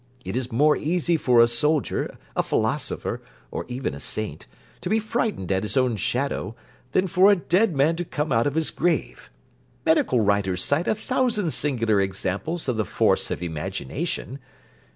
It is more easy for a soldier, a philosopher, or even a saint, to be frightened at his own shadow, than for a dead man to come out of his grave. Medical writers cite a thousand singular examples of the force of imagination.